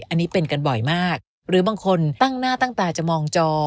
อันนี้เป็นกันบ่อยมากหรือบางคนตั้งหน้าตั้งตาจะมองจอ